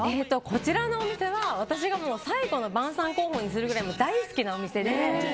こちらのお店は私が最後の晩餐候補にするくらい大好きなお店で。